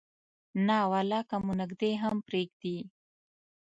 نه ولا که مو نږدې هم پرېږدي.